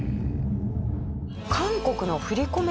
韓国の振り込め